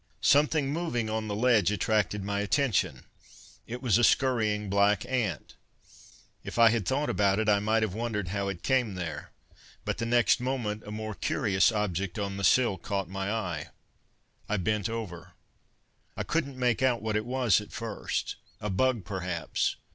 Something moving on the ledge attracted my attention: it was a scurrying black ant. If I had thought about it, I might have wondered how it came there. But the next moment a more curious object on the sill caught my eye. I bent over. I couldn't make out what it was at first. A bug, perhaps.